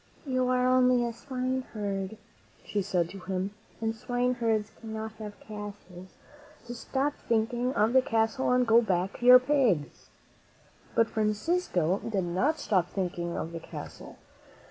"You are only a swineherd," she said to him, "and swine herds cannot have castles; so stop thinking of the castle and go back to your pigs." But Francisco did not stop thinking of the castle.